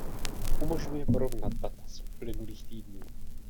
Umožňuje porovnat data z uplynulých týdnů.